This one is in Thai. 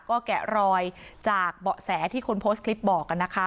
ก็แกะรอยจากเสียที่คนโพสต์คลิปบอกกันนะคะ